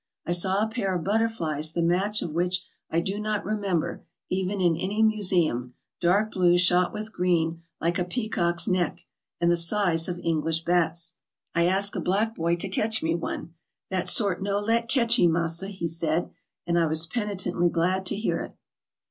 I saw a pair of butterflies the match of which I do not remember even in any museum, dark blue shot with green like a peacock's neck, and the size of English bats. I asked a black boy to catch me one. "That sort no let catchee, massa, " he said ; and I was penitently glad to hear it.